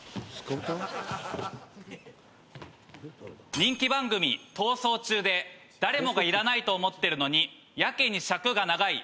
人気番組『逃走中』で誰もがいらないと思ってるのに。